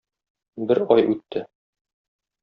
Бер ай үтте.